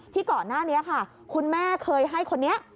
ก่อนหน้านี้ค่ะคุณแม่เคยให้คนนี้